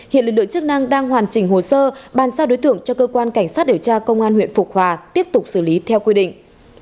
hiện lực lượng chức năng đang hoàn chỉnh hồ sơ bàn sao đối tượng cho cơ quan cảnh sát điều tra công an huyện phục hòa tiếp tục xử lý theo quy định